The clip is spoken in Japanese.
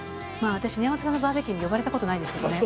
私宮本さんのバーベキューに呼ばれたことないですけどね。